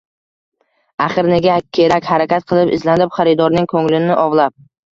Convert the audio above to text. axir nega kerak harakat qilib, izlanib, xaridorning ko‘nglini ovlab?